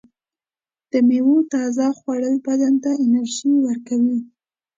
د میوو تازه خوړل بدن ته انرژي ورکوي.